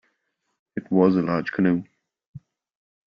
It was a large canoe.